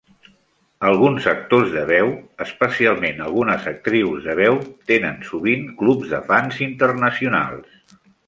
Alguns actors de veu -especialment algunes actrius de veu- tenen sovint clubs de fans internacionals.